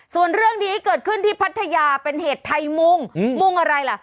ส่วนเรื่องนี้เกิดขึ้นที่พัทยาเป็นเหตุไทยมุ่งมุ่งอะไรล่ะ